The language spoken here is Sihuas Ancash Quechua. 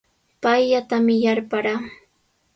Payllatami yarparaa.